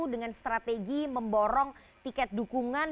dengan strategi memborong tiket dukungan